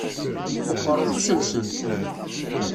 Meqqeṛ ufus-nsent.